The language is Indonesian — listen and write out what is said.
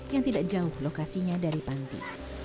yang tidak jauh lokasinya dari panti